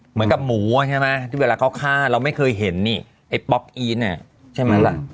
เหมือนกับหมูอ่ะใช่ไหมที่เวลาเขาฆ่าเราไม่เคยเห็นนี่ไอ้ป๊อกอีนใช่ไหมล่ะ